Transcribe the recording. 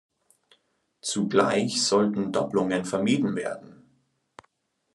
Zugleich sollten Dopplungen vermieden werden.